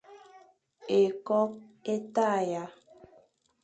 Ékôkh é tagha.